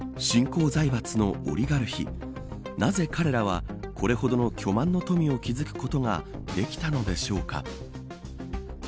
新興財閥のオリガルヒなぜ彼らはこれほどの巨万の富を築くことができたのでしょうか。